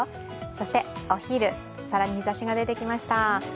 そして、お昼、更に日ざしが出てきました。